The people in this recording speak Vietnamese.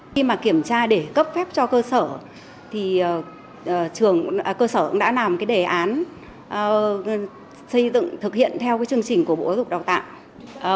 khi mà kiểm tra để cấp phép cho cơ sở thì trường cơ sở cũng đã làm cái đề án xây dựng thực hiện theo cái chương trình của bộ giáo dục đào tạo